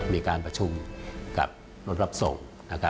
มีการประชุมกับรถรับส่ง